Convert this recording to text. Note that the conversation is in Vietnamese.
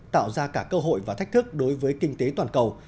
tạo ra cả cơ hội và thách thức đối với kinh tế toàn cầu